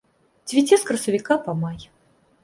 Цвіце з красавіка па май.